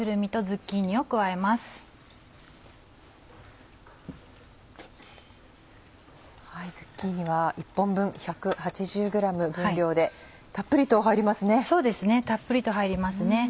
ズッキーニは１本分１８０ｇ分量でたっぷりと入りますね。